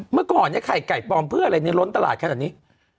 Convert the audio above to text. เมื่อก่อนเนี่ยไข่ไก่ปลอมเพื่ออะไรในล้นตลาดขนาดนี้